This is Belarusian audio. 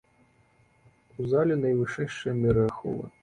У зале найвышэйшыя меры аховы.